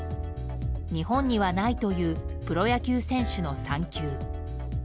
日本にはないというプロ野球選手の産休。